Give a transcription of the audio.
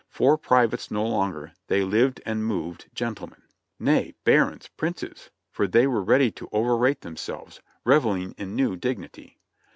Four privates no longer; they lived and moved, gentlemen ; nay, barons, princes, for they were ready to over rate themselves, reveling in new dignity.